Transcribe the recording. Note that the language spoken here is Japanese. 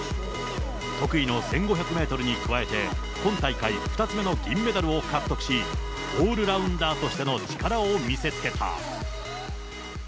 得意の１５００メートルに加えて、今大会２つ目の銀メダルを獲得し、オールラウンダーとしての力を見せつけた。